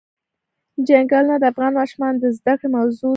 چنګلونه د افغان ماشومانو د زده کړې موضوع ده.